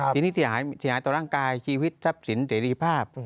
ทีนี้เสียหายต่อร่างกายชีวิตทรัพย์สินเสรีภาพ